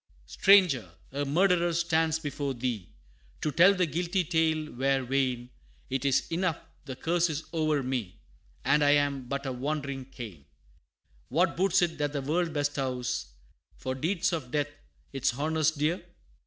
XIII. "Stranger! a murderer stands before thee! To tell the guilty tale were vain It is enough the curse is o'er me And I am but a wandering Cain. What boots it that the world bestows, For deeds of death its honors dear?